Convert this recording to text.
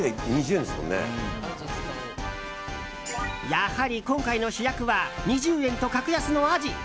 やはり今回の主役は２０円と格安のアジ！